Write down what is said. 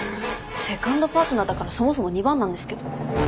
セカンドパートナーだからそもそも２番なんですけど。